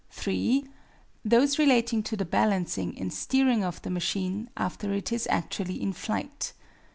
(3) Those relating to the balancing and steering of the machine after it is actually in flight.